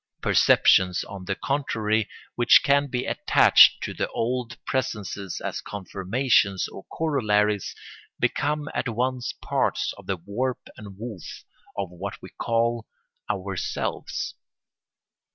Perceptions, on the contrary, which can be attached to the old presences as confirmations or corollaries, become at once parts of the warp and woof of what we call ourselves.